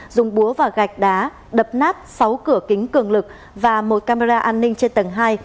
dùng búa và gạch đá đập nát sáu cửa kính cường lực và một camera an ninh trên tầng hai